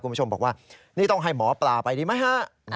คุณผู้ชมบอกว่านี่ต้องให้หมอปลาไปดีไหมฮะ